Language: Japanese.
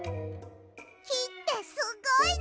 きってすごいの！